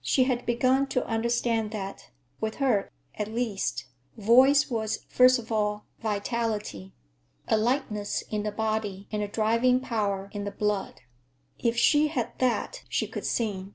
She had begun to understand that—with her, at least—voice was, first of all, vitality; a lightness in the body and a driving power in the blood. If she had that, she could sing.